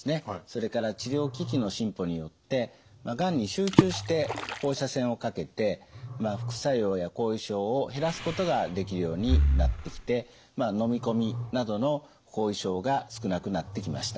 それから治療機器の進歩によってがんに集中して放射線をかけて副作用や後遺症を減らすことができるようになってきて飲み込みなどの後遺症が少なくなってきました。